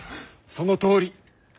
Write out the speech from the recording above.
そのとおり。